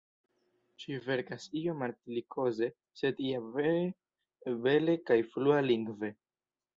Ŝi verkas iom artikoloze, sed ja vere bele kaj flua-lingve.